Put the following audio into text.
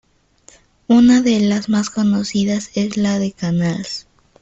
Una de las más conocidas es la de Canals.